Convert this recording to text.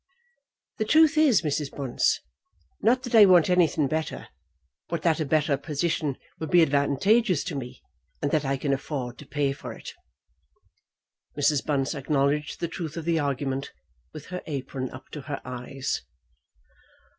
"The truth is, Mrs. Bunce, not that I want anything better; but that a better position will be advantageous to me, and that I can afford to pay for it." Mrs. Bunce acknowledged the truth of the argument, with her apron up to her eyes.